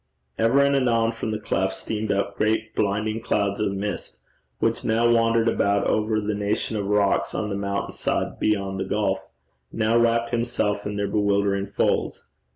Ever and anon from the cleft steamed up great blinding clouds of mist, which now wandered about over the nations of rocks on the mountain side beyond the gulf, now wrapt himself in their bewildering folds.